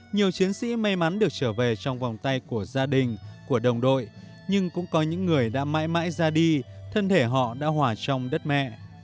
nhiều chiến sĩ may mắn được trở về trong vòng tay của gia đình của đồng đội nhưng cũng có những người đã mãi mãi ra đi thân thể họ đã hỏa trong đất mẹ